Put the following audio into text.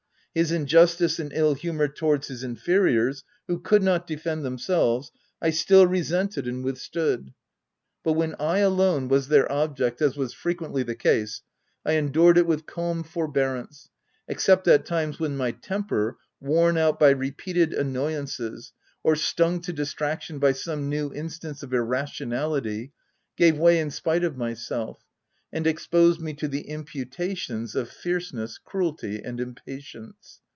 His in justice and ill humour towards his inferiors, who could not defend themselves, t still re sented and withstood ; but when I alone was OF WILDFELL HALL. 195 their object, as was frequently the case, I en dured it with calm forbearance, except at times when my temper, worn out by repeated an noyances, or stung to distraction by some new instance of irrationality, gave way in spite of myself, and exposed me to the imputations of fierceness, cruelty, and impatience.